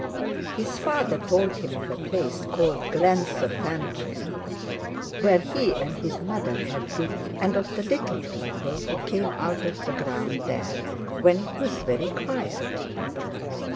His father told him of a place called Glensofantrim, where he and his mother had been; and of the little people who came out of the ground there when it was very quiet.